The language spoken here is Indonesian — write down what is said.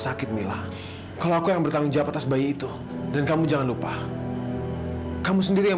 sakit mila kalau aku yang bertanggung jawab atas bayi itu dan kamu jangan lupa kamu sendiri yang